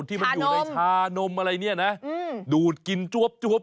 ที่มันอยู่ในชานมอะไรเนี่ยนะดูดกินจวบ